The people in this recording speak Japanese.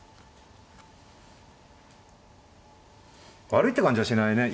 悪いって感じはしないね。